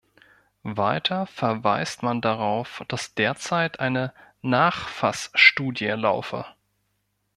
Weiter verweist man darauf, dass derzeit eine Nachfassstudie laufe.